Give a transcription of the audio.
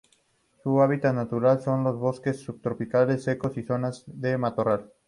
Su hábitat natural son los bosques subtropicales secos y las zonas de matorral.